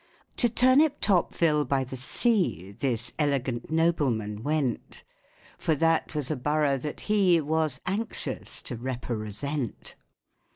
To Turniptopville by the Sea This elegant nobleman went, For that was a borough that he Was anxious to rep per re sent.